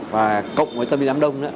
và cộng với tâm lý đám đông